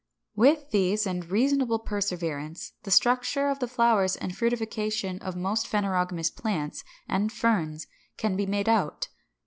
With these and reasonable perseverance the structure of the flowers and fructification of most phanerogamous plants and Ferns can be made out.